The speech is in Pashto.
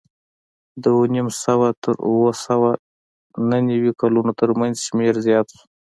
د اوه نیم سوه تر اوه سوه نهه نوې کلونو ترمنځ شمېر زیات شو